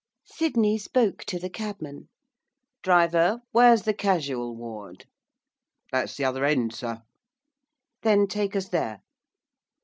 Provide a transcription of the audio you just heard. Sydney spoke to the cabman. 'Driver, where's the casual ward?' 'That's the other end, sir.' 'Then take us there.